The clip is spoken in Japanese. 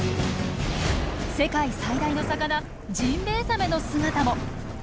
世界最大の魚ジンベエザメの姿も。